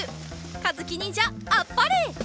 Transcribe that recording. かずきにんじゃあっぱれ！